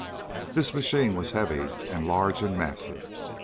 This machine was heavy and large and massive.